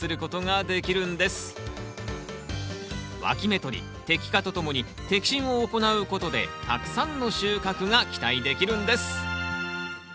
わき芽取り摘果とともに摘心を行うことでたくさんの収穫が期待できるんです！